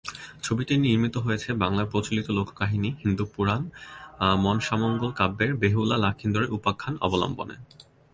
ছবিটি নির্মিত হয়েছে বাংলার প্রচলিত লোককাহিনী, হিন্দু পুরাণ মনসামঙ্গল কাব্যের বেহুলা-লখিন্দরের উপাখ্যান অবলম্বনে।